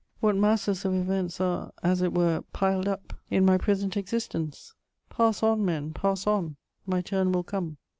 What masses of events are, as it were, piled up in my present existence ! Pass on, men, pass on ; my turn mil come.